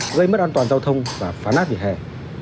gây mất an toàn giao thông và phá nát vỉa hè